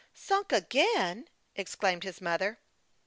Sunk again !" exclaimed his mother.